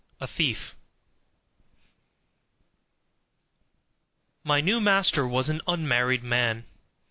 30 A Thief My new master was an unmarried man.